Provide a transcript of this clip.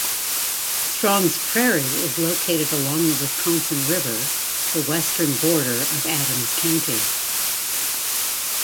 Strongs Prairie is located along the Wisconsin River, the western border of Adams County.